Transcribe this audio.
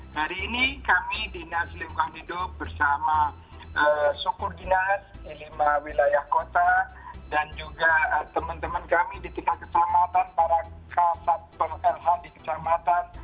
hari ini kami dinas lingkungan hidup bersama sukur dinas di lima wilayah kota dan juga teman teman kami di tingkat kecamatan para kasat polh di kecamatan